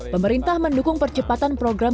pemerintah mendukung percepatan program